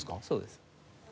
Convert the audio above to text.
そうです。